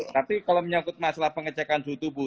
tapi kalau menyangkut masalah pengecekan suhu tubuh